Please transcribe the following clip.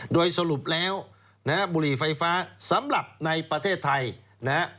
โดยสรุปแล้วนะฮะบุหรี่ไฟฟ้าสำหรับในประเทศไทยนะฮะ